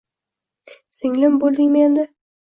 Singlim boʻldingmi endi?!